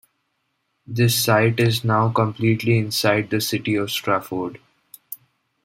The site is now completely inside the city of Strafford.